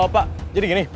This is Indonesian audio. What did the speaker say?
pak jadi gini